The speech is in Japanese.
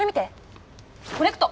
コネクト！